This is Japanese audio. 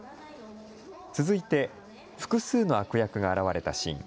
続いて複数の悪役が現れたシーン。